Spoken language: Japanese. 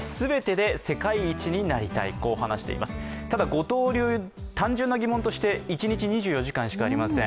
５刀流、単純な疑問として一日２４時間しかありません。